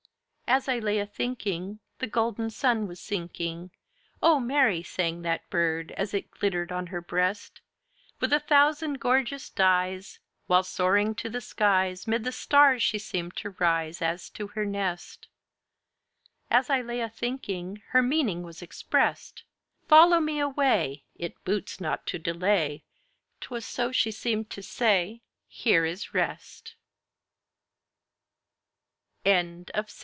As I laye a thynkynge, the golden sun was sinking, Oh, merrie sang that Birde, as it glittered on her breast With a thousand gorgeous dyes; While soaring to the skies, 'Mid the stars she seemed to rise, As to her nest; As I laye a thynkynge, her meaning was exprest: "Follow me away, It boots not to delay," 'Twas so she seemed to saye, "HERE IS REST!"